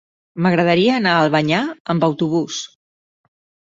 M'agradaria anar a Albanyà amb autobús.